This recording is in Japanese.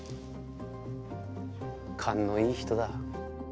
勘のいい人だ。